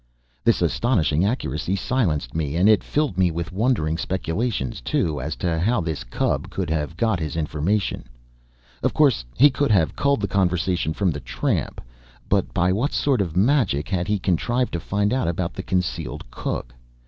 This astonishing accuracy silenced me; and it filled me with wondering speculations, too, as to how this cub could have got his information. Of course he could have culled the conversation from the tramp, but by what sort of magic had he contrived to find out about the concealed cook?